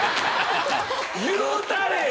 言うたれよ。